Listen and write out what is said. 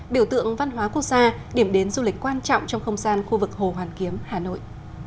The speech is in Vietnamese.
biểu tượng văn hóa quốc gia điểm đến du lịch quan trọng trong không gian khu vực hồ hoàn kiếm hà nội